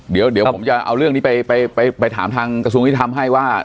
เดี๋ยวผมจะเอาเรื่องนี้ไปถามทางกระทรวงยุทธรรมให้ว่า